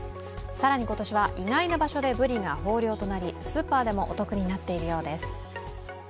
更に今年は意外な場所でぶりが豊漁となりスーパーでもお得になっているようです。